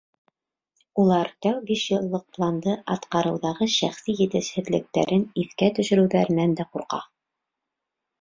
Улар тәүге биш йыллыҡ планды атҡарыуҙағы шәхси етешһеҙлектәрен иҫкә төшөрөүҙәренән дә ҡурҡа.